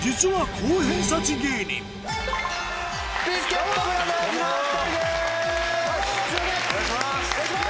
お願いします！